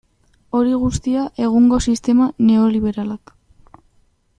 Hori guztia egungo sistema neoliberalak.